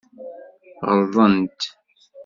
Ɣelḍent.